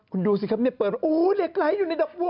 คุณดูซิครับใกล้อยู่ในดอกบัว